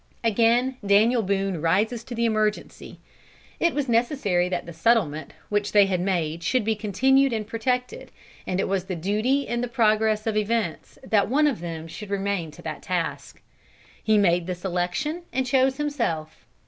Again Daniel Boone rises to the emergency. It was necessary that the settlement which they had made should be continued and protected, and it was the duty in the progress of events that one of them should remain to that task. He made the selection and chose himself.